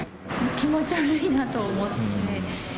気持ち悪いなと思って。